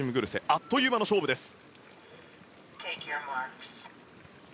あっという間の勝負です。